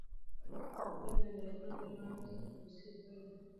علم د ملتونو ترمنځ د دوستی پل دی.